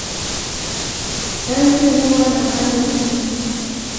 Dansi huwa na pande nyingi.